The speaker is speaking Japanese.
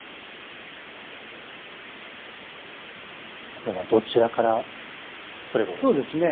これはどちらから取ればよろしいでしょうか。